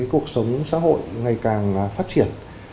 cuộc sống xã hội ngày càng phát triển